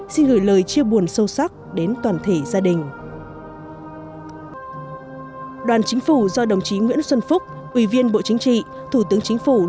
xin gửi lời chia buồn sâu sắc đến toàn thể gia đình